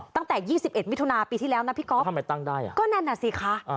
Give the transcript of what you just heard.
ตั้งแต่ยี่สิบเอ็ดมิถุนายนปีที่แล้วนะพี่ก๊อบทำไมตั้งได้อ่ะก็นั่นอ่ะสิค่ะอ่า